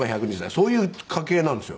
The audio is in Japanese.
そういう家系なんですよ。